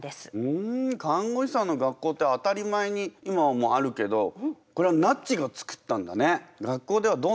ふん看護師さんの学校って当たり前に今はもうあるけどこれはなっちがつくったんだね。